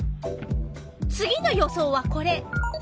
次の予想はこれ。